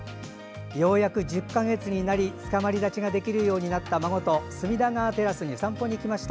ようやく１０か月になりつかまり立ちができるようになった孫と隅田川テラスに散歩に行きました。